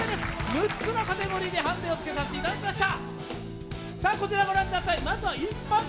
６つのカテゴリーでハンデをつけさせていただきました。